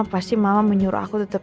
pasti mama menyuruh aku tetap